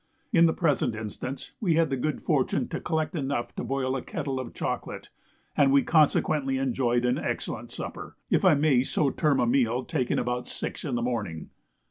In the present instance, we had the good fortune to collect enough to boil a kettle of chocolate, and we consequently enjoyed an excellent supper, if I may so term a meal taken about six in the morning.